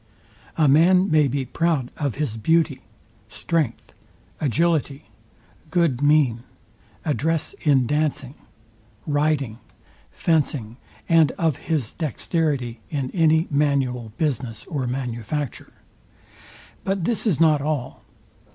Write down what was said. A man may be proud of his beauty, strength, agility, good mein, address in dancing, riding, and of his dexterity in any manual business or manufacture. But this is not all.